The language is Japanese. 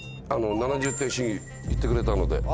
『７０点主義』言ってくれたので。